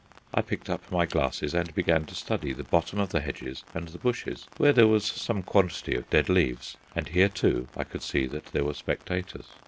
I picked up my glasses and began to study the bottom of the hedges and the bushes, where there was some quantity of dead leaves, and here, too, I could see that there were spectators.